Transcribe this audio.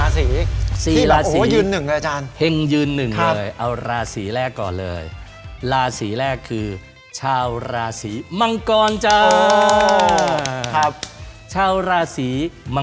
สวัสดีครับ๔ราศรี